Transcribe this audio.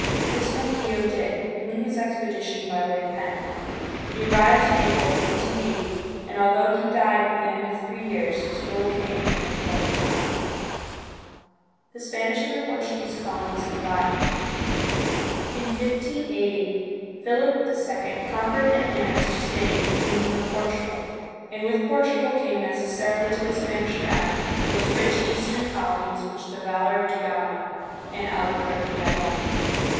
This Ronquillo did, bringing his expedition by way of Panama. He arrived in April, 1580, and although he died at the end of three years, his rule came at an impor tant time. CONQUEST AND SETTLEMENT, 1565 1600: 147 The Spanish and the Portuguese Colonies Combined. In 1580, Philip II. conquered and annexed to Spain the kingdom of Portugal, and with Portugal came necessarily to the Spanish crown those rich eastern colonies which the valor of Da Gama and Albuquerque had won.